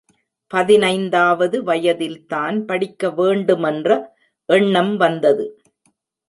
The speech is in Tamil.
பதினைந்தாவது வயதில்தான் படிக்க வேண்டுமென்ற எண்ணம் வந்தது.